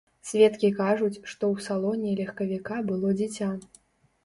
Сведкі кажуць, што ў салоне легкавіка было дзіця.